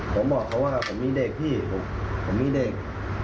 ผมบอกเขาว่าผมมีเด็กพี่ผมมีเด็ก